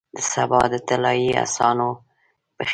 د سبا د طلایې اسانو پښې دی،